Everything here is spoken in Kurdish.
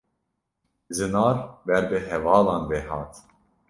Zinar ber bi hevalan ve hat.